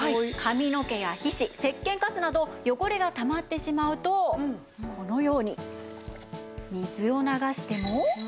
髪の毛や皮脂せっけんカスなど汚れがたまってしまうとこのように水を流しても。